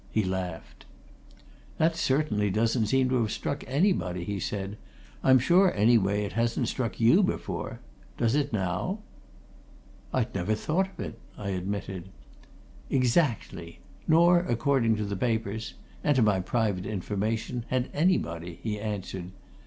He laughed. "That, certainly, doesn't seem to have struck anybody," he said. "I'm sure, anyway, it hasn't struck you before. Does it now?" "I'd never thought of it," I admitted. "Exactly! Nor, according to the papers and to my private information had anybody," he answered.